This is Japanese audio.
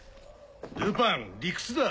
ルパン理屈だ！